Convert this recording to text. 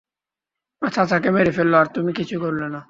ওরা চাচাকে মেরে ফেলল আর তুমি কিছুই করলে না!